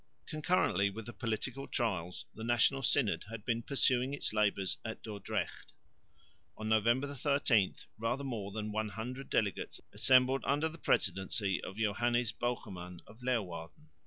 Concurrently with the political trials the National Synod had been pursuing its labours at Dordrecht. On November 13 rather more than one hundred delegates assembled under the presidency of Johannes Bogerman of Leeuwarden.